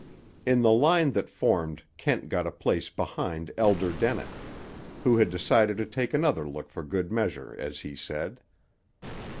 In the line that formed Kent got a place behind Elder Dennett, who had decided to take another look for good measure, as he said.